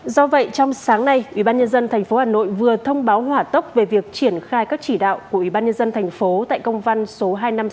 do vậy trong sáng nay ubnd tp hà nội vừa thông báo hỏa tốc về việc triển khai các chỉ đạo của ubnd tp tại công văn số hai nghìn năm trăm sáu mươi hai